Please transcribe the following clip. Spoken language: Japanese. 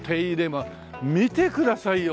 見てくださいよ